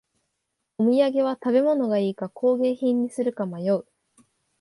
お土産は食べ物がいいか工芸品にするか迷う